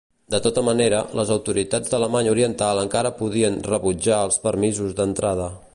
De tota manera, les autoritats d'Alemanya Oriental encara podien rebutjar els permisos d'entrada.